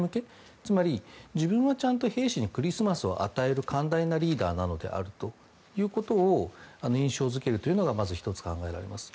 つまり、自分はちゃんと兵士にクリスマスに休暇を与えるリーダーなんだという印象付けるというのがまず１つ考えられます。